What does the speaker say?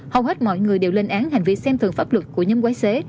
hầu hết mọi người đều lên án hành vi xem thường pháp luật của nhóm quái xế